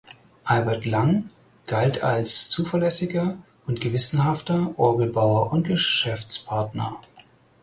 Albert Lang galt als zuverlässiger und gewissenhafter Orgelbauer und Geschäftspartner.